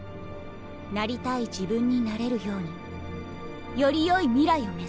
なりたい自分になれるようによりよい未来を目指して。